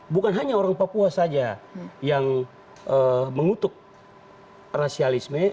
bukan hanya orang papua saja yang mengutuk rasialisme